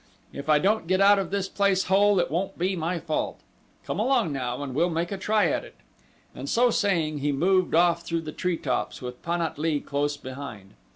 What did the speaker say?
If I don't get out of this place whole it won't be my fault. Come along now and we'll make a try at it," and so saying he moved off through the tree tops with Pan at lee close behind.